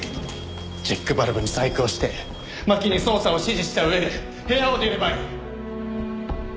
チェックバルブに細工をして真希に操作を指示した上で部屋を出ればいい。